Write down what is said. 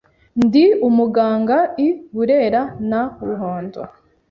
Ndi umuganga I Burera na Ruhondo.